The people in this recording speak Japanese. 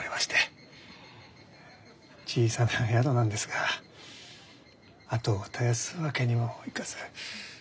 小さな宿なんですが跡を絶やすわけにもいかず。